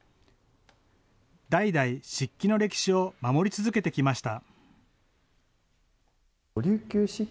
代々、漆器の歴史を守り続けてきました。